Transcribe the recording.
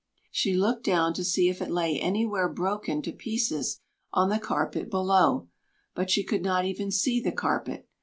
She looked down to see if it lay anywhere broken to pieces on the carpet below, but she could not even see the carpet.